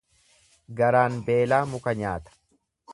Garaan beelaa muka nyaata.